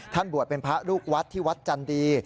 ท่านบวชเป็นพระรูควัฏที่วัดจันตรี